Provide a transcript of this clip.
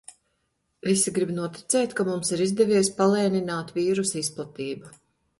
Visi grib noticēt, ka mums ir izdevies palēnināt vīrusa izplatību.